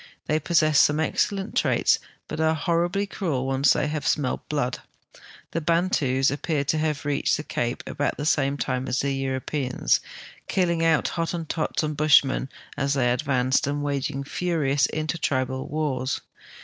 They possess some excellent traits, but are horribly cruel when once they have smelled blood. The Bantus ai)pear to have reached the cape about the same time as the Euro])eans, killing out Hottentots and Bushmen as they advanced, and waging furious inter tribal wars.